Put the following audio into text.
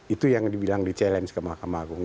itu yang dibilang di challenge ke mahkamah agung